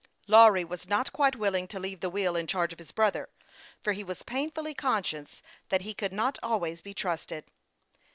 Lawry was not quite willing to leave the wheel in charge of his brother, for he was painfully con scious that he could not always be trusted.